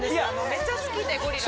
めっちゃ好きでゴリラが。